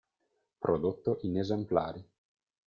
Prodotto in esemplari.